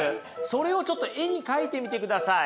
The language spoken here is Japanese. それをちょっと絵に描いてみてください。